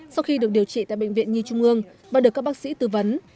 sau khi được điều trị tại bệnh viện nhi trung ương và được các bác sĩ tư vấn